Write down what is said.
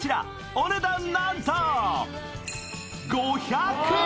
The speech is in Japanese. お値段、なんと５００円。